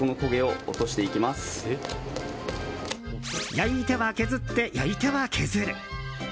焼いては削って焼いては削る。